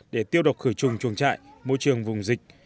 để tiêu độc khử trùng chuồng trại môi trường vùng dịch